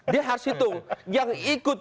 dia harus hitung yang ikut